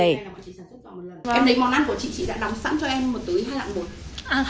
em thấy món ăn của chị chị đã đóng sẵn cho em một tưới hai lạng một